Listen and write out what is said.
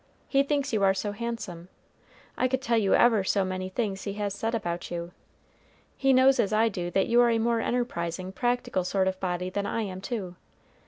He thinks you are so handsome. I could tell you ever so many things he has said about you. He knows as I do that you are a more enterprising, practical sort of body than I am, too.